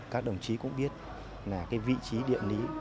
các đồng chí cũng biết là cái vị trí địa lý